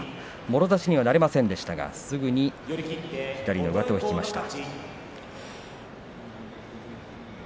もろ差しにはなりませんでしたがすぐに左の上手を引きました。